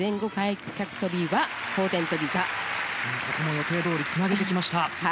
予定どおりつなげてきた。